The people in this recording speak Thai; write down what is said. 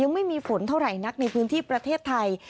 ไม่มีฝนเท่าไหร่นักในพื้นที่ประเทศไทย